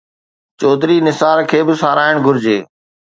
چوڌري نثار کي به ساراهڻ گهرجي.